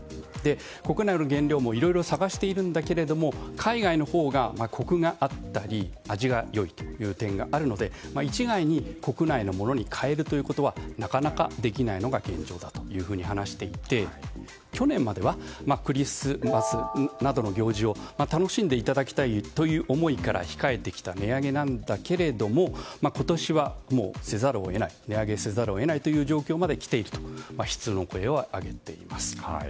国内の原料もいろいろ探しているんだけども海外のほうがコクがあったり味が良いという点があるので一概に国内のものに変えるということはなかなかできないのが現状だと話していて去年まではクリスマスなどの行事を楽しんでいただきたいという思いから控えてきた値上げなんだけれども今年は値上げをせざるを得ないという状況まで来ていると悲痛の声を上げています。